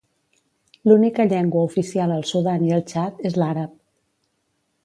L'única llengua oficial al Sudan i al Txad és l'àrab.